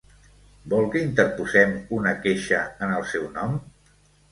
Vol que interposem una queixa en el seu nom?